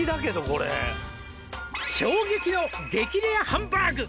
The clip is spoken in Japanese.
「衝撃の激レアハンバーグ」